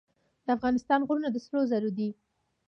د افغانستان غرونه د سرو زرو دي